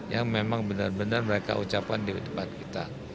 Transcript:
yang memang benar benar mereka ucapkan di depan kita